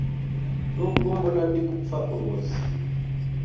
Nubwo mbona ndigupfa urubozo